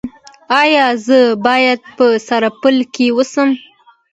ایا زه باید په سرپل کې اوسم؟